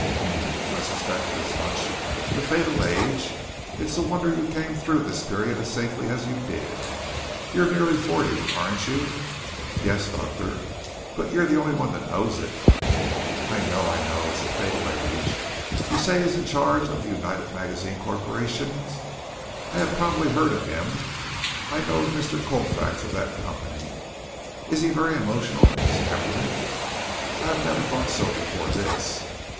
"Um! I suspected as much. The fatal age. It's a wonder you came through that period as safely as you did. You're nearly forty, aren't you?" "Yes, doctor, but you're the only one that knows it." "I know, I know. It's the fatal age. You say he is in charge of the United Magazines Corporation. I have probably heard of him. I know of Mr. Colfax of that company. Is he very emotional in his temperament?" "I had never thought so before this."